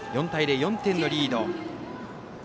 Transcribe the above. ４対０、４点のリード。